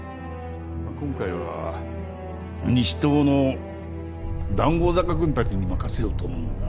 今回は西棟の談合坂君たちに任せようと思うんだ。